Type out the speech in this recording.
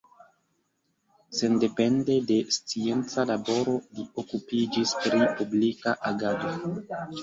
Sendepende de scienca laboro li okupiĝis pri publika agado.